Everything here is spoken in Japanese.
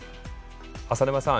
浅沼さん